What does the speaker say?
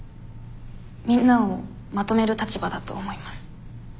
みんなをまとめる立場だと思います。